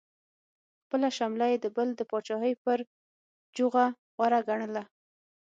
خپله شمله یې د بل د پاچاهۍ پر جوغه غوره ګڼله.